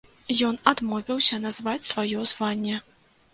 Ён адмовіўся назваць сваё званне.